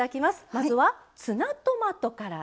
まずはツナトマトからです。